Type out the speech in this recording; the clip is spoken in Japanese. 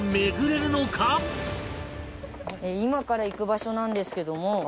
今から行く場所なんですけども。